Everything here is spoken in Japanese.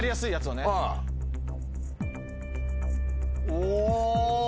お。